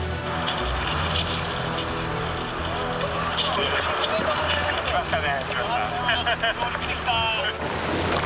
きました。